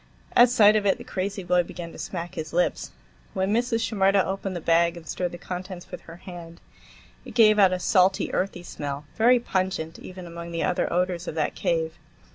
At sight of it, the crazy boy began to smack his lips. When Mrs. Shimerda opened the bag and stirred the contents with her hand, it gave out a salty, earthy smell, very pungent, even among the other odors of that cave.